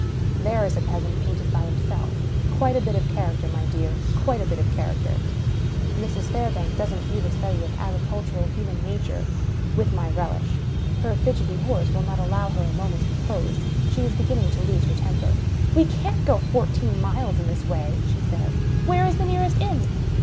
There is the peasant, painted by himself ! Quite a bit of character, my dear! Quite a bit of char acter ! Mrs. Fairbank doesn't view the study of agricultural human nature with my relish. Her fidgety horse will not allow her a moment's repose ; she is beginning to lose her temper. " We can't go fourteen miles in this way," she says. *' Where is the nearest inn